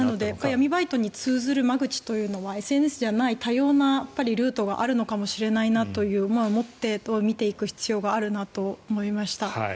闇バイトに通じる間口はＳＮＳだけではない多様なルートがあるのかもしれないと思って見ていく必要があるなと思いました。